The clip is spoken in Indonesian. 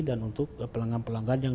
dan untuk pelanggan pelanggan yang